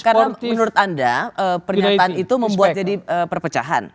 karena menurut anda pernyataan itu membuat jadi perpecahan